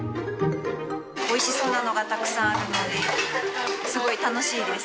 おいしそうなのがたくさんあるのですごい楽しいです。